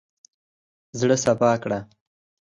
زړه سپا کړه.